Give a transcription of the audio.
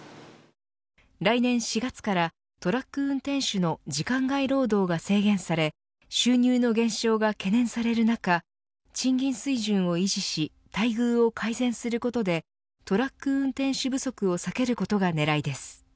来年４月から、トラック運転手の時間外労働が制限され収入の減少が懸念される中賃金水準を維持し待遇を改善することでトラック運転手不足を避けることが狙いです。